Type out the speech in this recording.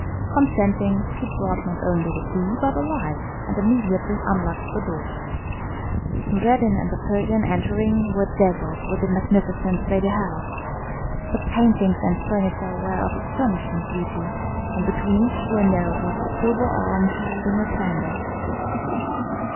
Consenting, he brought not only the key, but a light, and immediately unlocked the door. Noureddin and the Persian entering, were dazzled with the magnificence they beheld. The paintings and furniture were of astonishing beauty, and between each window was a silver arm holding a candle.